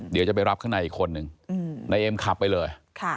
เดี๋ยวจะไปรับข้างในอีกคนนึงนายเอ็มขับไปเลย